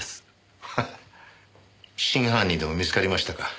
ハハ真犯人でも見つかりましたか？